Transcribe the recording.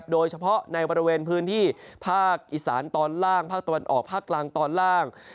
โดยเฉพาะในบริเวณพื้นที่ภาคอีสานตอนล่างภาคตะวันออกภาคกลางตอนล่าง